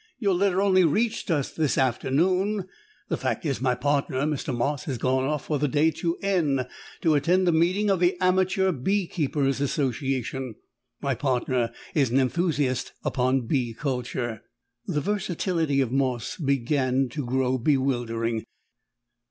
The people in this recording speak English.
Your letter only reached us this afternoon. The fact is, my partner, Mr. Moss, has gone off for the day to N to attend a meeting of the Amateur Bee keepers' Association my partner is an enthusiast upon bee culture." The versatility of Moss began to grow bewildering.